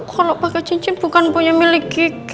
kalo pake cincin bukan punya milik gigi